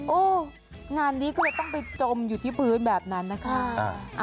งานนี้ก็เลยต้องไปจมอยู่ที่พื้นแบบนั้นนะคะ